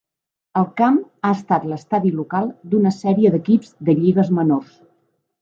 El camp ha estat l'estadi local d'una sèrie d'equips de lligues menors.